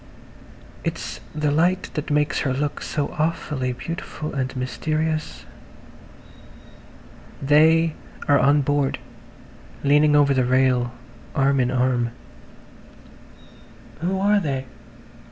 . It's the light that makes her look so awfully beautiful and mysterious. ... They are on board leaning over the rail arm in arm. "... Who are they?"